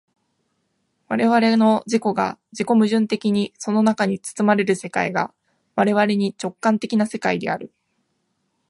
我々の自己が自己矛盾的にその中に包まれる世界が我々に直観的な世界である。